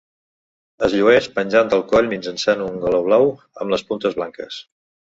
Es llueix penjant del coll mitjançant un galó blau amb les puntes blanques.